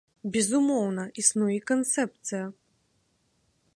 Безумоўна, існуе і канцэпцыя.